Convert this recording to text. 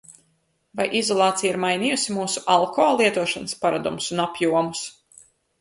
Vai izolācija ir mainījusi mūsu alko lietošanas paradumus un apjomus?